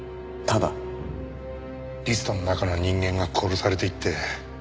リストの中の人間が殺されていって。